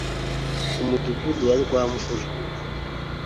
Umudugudu wa Rwamvura